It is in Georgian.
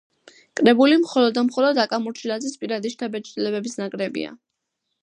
კრებული მხოლოდ და მხოლოდ აკა მორჩილაძის პირადი შთაბეჭდილებების ნაკრებია.